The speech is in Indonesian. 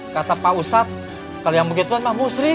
kata pak ustadz kalau yang begitu mah musrik